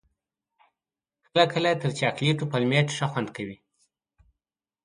کله کله تر چاکلېټو پلمېټ ښه خوند کوي.